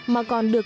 mà còn được